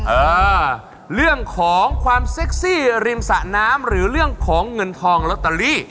เออเรื่องของความเซ็กซี่ริมสะน้ำหรือเรื่องของเงินทองลอตเตอรี่